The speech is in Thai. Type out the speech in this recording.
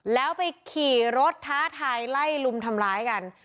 แล้วไปขี่รถท้าทายไล่ลุมทำร้ายกัน